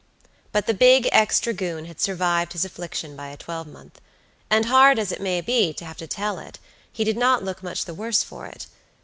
But the big ex dragoon had survived his affliction by a twelvemonth, and hard as it may be to have to tell it, he did not look much the worse for it.